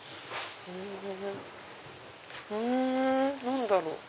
ふん何だろう？